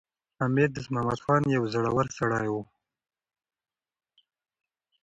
امیر دوست محمد خان یو زړور سړی و.